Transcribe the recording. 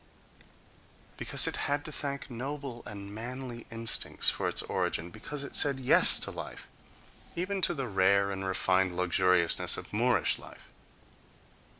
Because it had to thank noble and manly instincts for its origin—because it said yes to life, even to the rare and refined luxuriousness of Moorish life!...